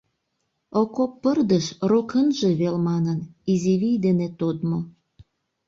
Окоп пырдыж, рок ынже вел манын, изивий дене тодмо.